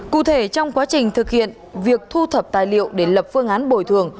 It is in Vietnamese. cụ thể trong quá trình thực hiện việc thu thập tài liệu để lập phương án bồi thường